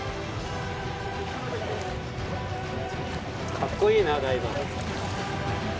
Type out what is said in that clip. かっこいいなダイバー。